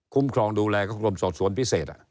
คุ้มคลองดูแลกับกรมสอดสวนพิเศษ